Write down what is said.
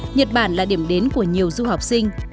nhật bản là điểm đến của nhiều du học sinh